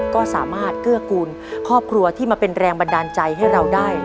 ก็สามารถเกื้อกูลครอบครัวที่มาเป็นแรงบันดาลใจให้เราได้